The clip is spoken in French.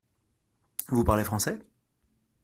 Vous parlez français ?